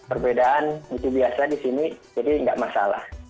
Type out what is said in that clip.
perbedaan itu biasa di sini jadi nggak masalah